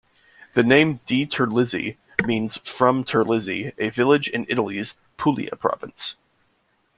The name DiTerlizzi means "from Terlizzi", a village in Italy's Pulia province.